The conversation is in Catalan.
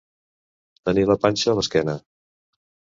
Tenir la panxa a l'esquena.